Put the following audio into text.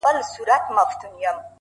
یو څه ملنګ یې یو څه شاعر یې؛؛!